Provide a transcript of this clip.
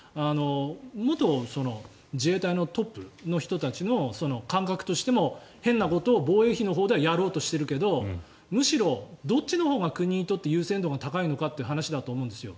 元自衛隊のトップの人たちの感覚としても変なことを防衛費のほうでやろうとしているけどむしろ、どっちのほうが国にとって優先度が高いのかという話だと思うんですよ。